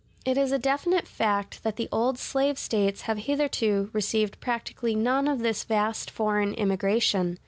It is a definite fact that the old slave States have hitherto received practically none of this vast foreign immigration.